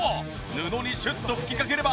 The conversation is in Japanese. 布にシュッと拭きかければ。